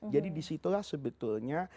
jadi disitulah sebetulnya